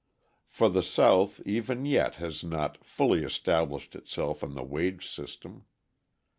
For the South even yet has not fully established itself on the wage system.